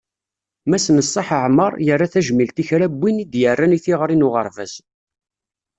Mass Neṣṣaḥ Ɛmer, yerra tajmilt i kra n win i d-yerran i teɣri n uɣerbaz.